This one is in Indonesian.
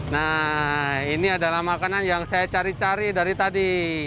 nah ini adalah makanan yang saya cari cari dari tadi